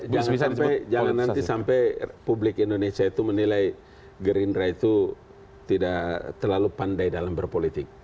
jangan nanti sampai publik indonesia itu menilai gerinda itu tidak terlalu pandai dalam berpolitik